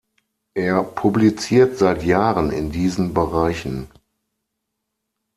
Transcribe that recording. Er publiziert seit Jahren in diesen Bereichen.